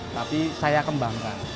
tapi saya kembangkan